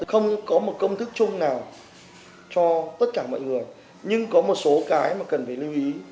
không có một công thức chung nào cho tất cả mọi người nhưng có một số cái mà cần phải lưu ý